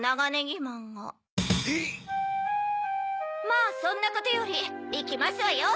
まぁそんなことよりいきますわよ！